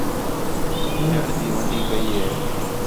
بھیݨ تی وَنڈی کئی ہے